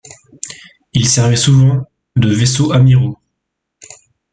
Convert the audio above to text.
Ils servaient souvent de vaisseaux amiraux.